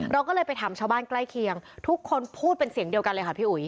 เราก็เลยไปถามชาวบ้านใกล้เคียงทุกคนพูดเป็นเสียงเดียวกันเลยค่ะพี่อุ๋ย